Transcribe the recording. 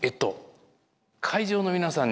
会場の皆さん